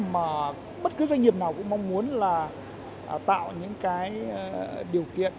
mà bất cứ doanh nghiệp nào cũng mong muốn là tạo những cái điều kiện